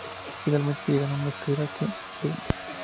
Finalmente llegan a una escalera que sube.